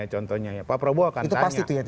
contohnya ya pak prabowo akan tanya